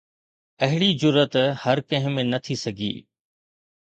اهڙي جرئت هر ڪنهن ۾ نه ٿي سگهي.